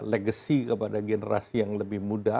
legacy kepada generasi yang lebih muda